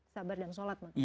sabar dan sholat maksudnya